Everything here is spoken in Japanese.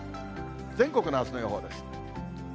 全国のあすの予報です。